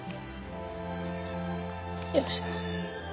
よいしょ。